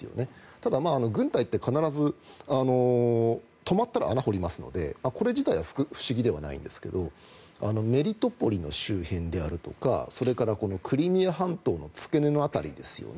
ただ、軍隊って必ず止まったら穴を掘りますのでそれ自体は不思議ではないんですがメリットの周辺とかクリミア半島の付け根の辺り